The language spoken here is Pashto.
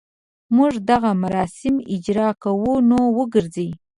موږ دغه مراسم اجراء کوو نو وګرځي.